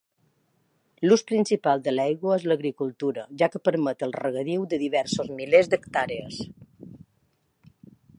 L'ús principal de l'aigua és l'agricultura, ja que permet el regadiu de diversos milers d'hectàrees.